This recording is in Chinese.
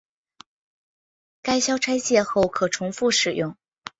该销拆卸后可重复使用。